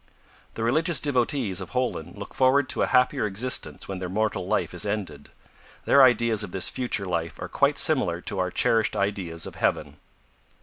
The religious devotees of Holen look forward to a happier existence when their mortal life is ended. Their ideas of this future life are quite similar to our cherished ideas of Heaven.